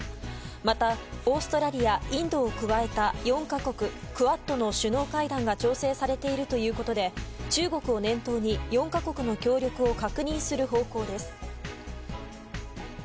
また、オーストラリアインドを加えた４か国クアッドの首脳会談が調整されているということで中国を念頭に４か国の協力を確認する方向です。